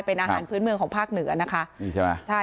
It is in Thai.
เป็นอาหารพื้นเมืองของภาคเหนือนะคะ